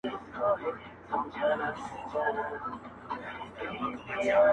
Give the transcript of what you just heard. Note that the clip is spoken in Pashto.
لا تر څو به دي قسمت په غشیو ولي-